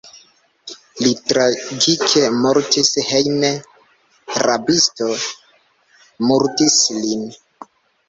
Li tragike mortis: hejme rabisto murdis lin.